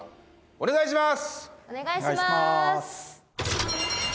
お願いします！